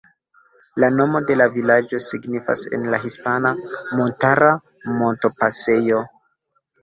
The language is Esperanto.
La nomo de la vilaĝo signifas en la hispana "Montara Montopasejo".